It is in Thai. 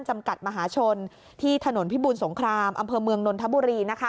จำกัดมหาชนที่ถนนพิบูลสงครามอำเภอเมืองนนทบุรี